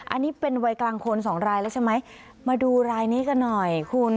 อันนี้เป็นวัยกลางคนสองรายแล้วใช่ไหมมาดูรายนี้กันหน่อยคุณ